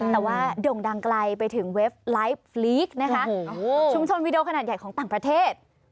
แต่ว่าโด่งดังไกลไปถึงเว็บไลฟ์ลีกนะคะชุมชนวิดีโอขนาดใหญ่ของต่างประเทศ